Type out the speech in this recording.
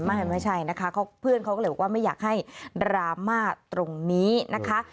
ไม่ใช่นะคะเพื่อนเขาก็เลยบอกว่าไม่อยากให้ดราม่าตรงนี้นะคะ